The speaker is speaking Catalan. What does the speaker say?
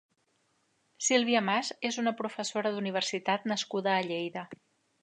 Silvia Mas és una professora d'universitat nascuda a Lleida.